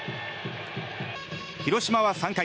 広島は３回。